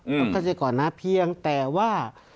ต้องเข้าใจก่อนนะเพียงแต่ว่า